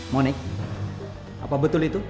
monik apa betul itu